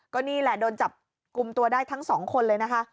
ก็นี่แหละโดนจับกลุ่มตัวได้ทั้งสองคนเลยนะคะ